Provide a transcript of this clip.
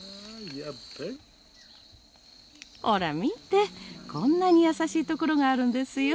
ほら、見てこんなに優しいところがあるんですよ。